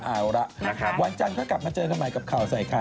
เอาละนะครับวันจันทร์ก็กลับมาเจอกันใหม่กับข่าวใส่ไข่